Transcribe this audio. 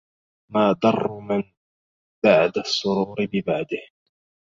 ما ضر من بعد السرور ببعده